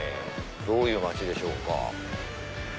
どういう町でしょうか。